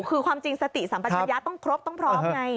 คือความจริงสติสัมปัชญาต้องครบต้องพร้อมไง